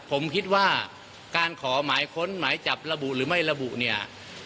ผมคิดว่าการขอหมายค้นหมายจับระบุหรือไม่ระบุเนี่ย